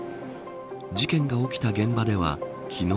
事件が起きた現場では昨日。